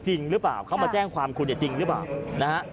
จริงหรือเปล่าเข้ามาแจ้งความคุณจริงหรือเปล่า